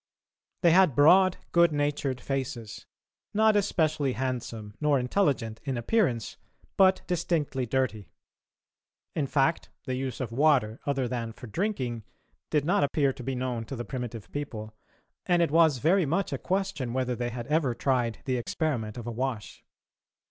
They had broad, good natured faces, not especially handsome nor intelligent in appearance, but distinctly dirty. In fact, the use of water, other than for drinking, did not appear to be known to the primitive people, and it was very much a question whether they had ever tried the experiment of a wash.